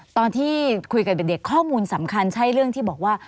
ตอนที่คุยกับเด็กข้อมูลสำคัญใช่เรื่องที่บอกว่า